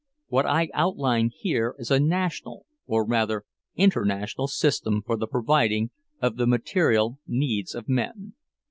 What I outline here is a national, or rather international, system for the providing of the material needs of men.